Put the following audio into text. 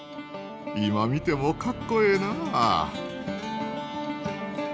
今見てもかっこええなあ。